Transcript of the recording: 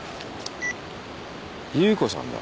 夕子さんだ。